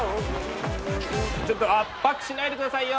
ちょっと圧迫しないで下さいよ！